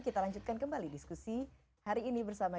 kita lanjutkan kembali diskusi hari ini bersama